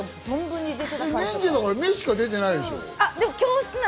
忍者だから目しか出てないでしょ。